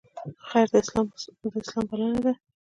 خیر د اسلام بلنه ده